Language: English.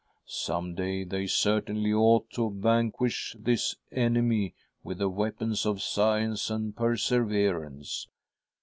Some day. the.y certainly ought to vanquish this enemy with the weapons of science and perseverance.